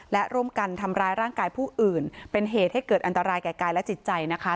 และร่วมกันทำร้ายร่างกายผู้อื่นเป็นเหตุให้เกิดอันตรายแก่กายและจิตใจนะคะ